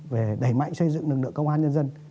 về đẩy mạnh xây dựng lực lượng công an nhân dân